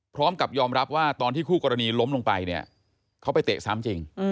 พร้อมกับยอมรับว่าตอนที่คู่กรณีล้มลงไปเนี่ยเขาไปเตะซ้ำจริง